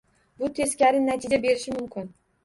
Bu, teskari natija berishi mumkin.